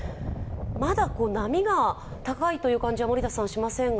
まだ波が高いという感じはしませんが。